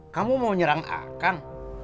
kamu mau nyerang akan